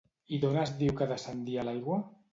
I d'on es diu que descendia l'aigua?